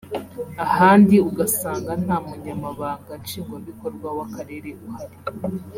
ahandi ugasanga nta Munyamabanga Nshingwabikorwa w’Akarere uhari